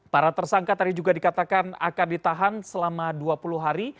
para tersangka tadi juga dikatakan akan ditahan selama dua puluh hari